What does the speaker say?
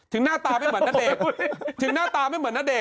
ถึงหน้าตาไม่เหมือนนเด็ก